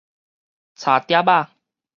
柴疊仔